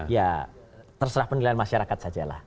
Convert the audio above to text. ya terserah penilaian masyarakat saja lah